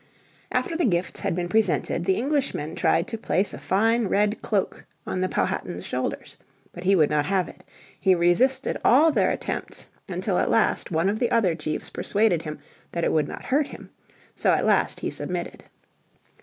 After the gifts had been presented the Englishmen tried to place a fine red cloak on the Powhatan's shoulders. But he would not have it. He resisted all their attempts until at last one of the other chiefs persuaded him that it would not hurt him, so at last he submitted.